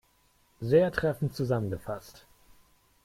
Sehr treffend zusammengefasst!